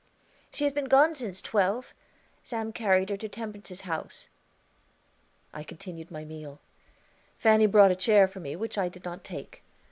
"She has been gone since twelve; Sam carried her to Temperance's house." I continued my meal. Fanny brought a chair for me, which I did not take.